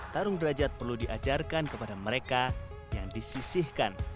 tarung derajat perlu diajarkan kepada mereka yang disisihkan